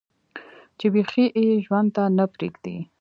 چې بيخي ئې ژوند ته نۀ پرېږدي